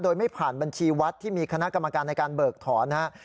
โดยไม่ผ่านบัญชีวัดที่มีคณะกรรมการในการเบิกถอนนะครับ